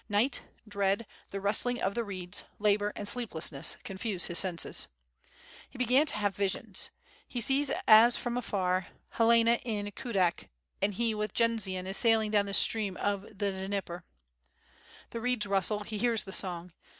Night, dread, the rustling of the reeds, labor, and sleeplessness, confuse his senses. He began to have visions. He sees as from afar, Helena in Kudak, and he with Jendzian is sailing down the stream of the Dnieper. The WITH FIRE AND SWORD, jjg reeds rustle, he hears the song.